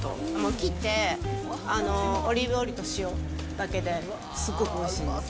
切って、オリーブオイルと塩だけですごくおいしいんです。